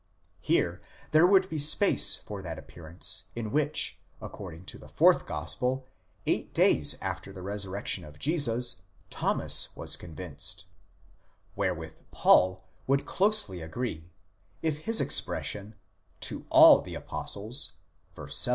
Here there would be space for that appearance in which, according to the fourth gospel eight days after the resurrection of Jesus, Thomas was convinced ; wherewith Paul would closely agree, if his expression, 40 αἱ the apostles, τοῖς ἀποστόλοις πᾶσιν (v.